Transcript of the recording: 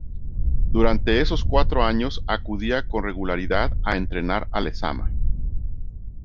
Durante esos cuatro años acudía con regularidad a entrenar a Lezama.